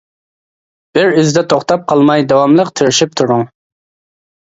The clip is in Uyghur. بىر ئىزدا توختاپ قالماي داۋاملىق تىرىشىپ تۇرۇڭ.